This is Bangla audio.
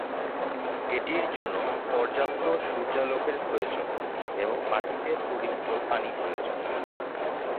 এটির জন্য পর্যাপ্ত সূর্যালোকের প্রয়োজন এবং মাটিতে পরিমিত পানি প্রয়োজন।